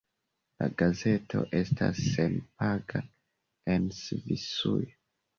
La gazeto estas senpaga en Svisujo.